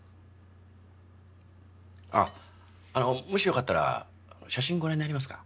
あっあのもしよかったら写真ご覧になりますか？